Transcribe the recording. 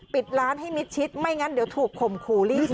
ปิดล้านให้มิดชิดไม่งั้นเดี๋ยวถูกขมครูรีบเวิน